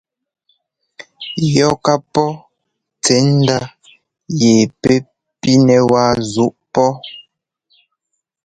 Yɔ ká pɔ́ tsɛ̌ndá yɛ pɛ́ pínɛ wáa zuꞌú pɔ́.